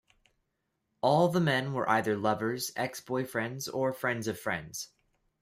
All the men were either lovers, ex-boyfriends, or friends of friends.